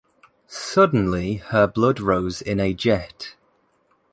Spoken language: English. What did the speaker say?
Suddenly her blood rose in a jet.